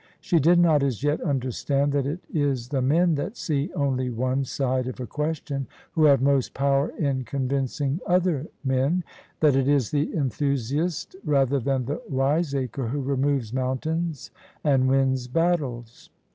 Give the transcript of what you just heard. She did not as yet understand that it is the men that see only one side of a question who have most power in convincing other men — that it is the enthu siast rather than the wiseacre who removes mountains and wins battles.